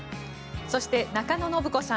そして、中野信子さん